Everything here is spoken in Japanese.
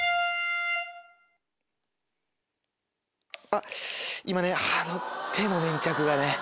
あっ今ねあの手の粘着がね。